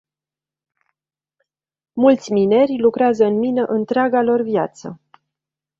Mulți mineri lucrează în mină întreaga lor viață.